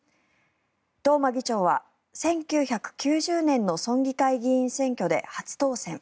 東間議長は、１９９０年の村議会議員選挙で初当選。